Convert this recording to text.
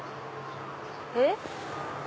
えっ？